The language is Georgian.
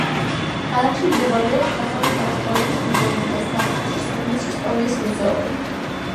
ქალაქში მდებარეობს დასავლეთ ავსტრალიის მუზეუმი და სახანძრო საქმის ისტორიის მუზეუმი.